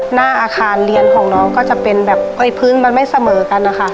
หน้าอาคารเรียนของน้องก็จะเป็นแบบพื้นมันไม่เสมอกันนะคะ